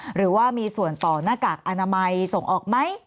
หรือว่ามีส่วนต่อนาฬักษณ์อาณามัยส่งออกไหม